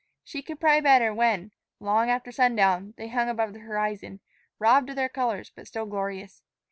She could pray better when, long after sundown, they hung above the horizon, robbed of their colors but still glorious.